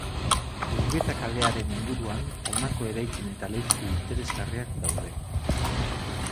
Urbieta kalearen inguruan honako eraikin eta leku interesgarriak daude.